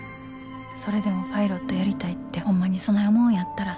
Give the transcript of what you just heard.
それでもパイロットやりたいってホンマにそない思うんやったら。